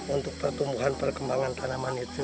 untuk pertumbuhan perkembangan tanaman itu